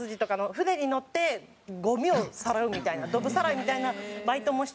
船に乗ってゴミをさらうみたいなドブさらいみたいなバイトもしてたので。